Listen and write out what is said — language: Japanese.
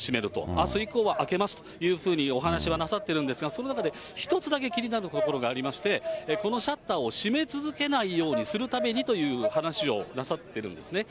あす以降は開けますというふうにお話はなさってるんですが、その中で１つだけ気になるところがありまして、このシャッターを閉め続けないようにするためにという話をなさってるんですね。